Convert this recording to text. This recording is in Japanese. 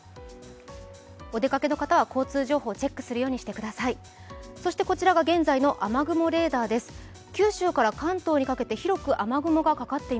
お出かけの方は交通情報をチェックするようにしてください。